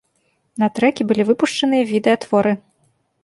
На трэкі былі выпушчаныя відэа-творы.